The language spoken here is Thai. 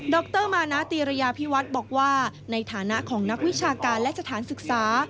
รมานาตีระยาพิวัฒน์บอกว่าในฐานะของนักวิชาการและสถานศึกษา